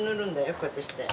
こうやってして。